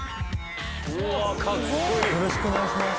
よろしくお願いします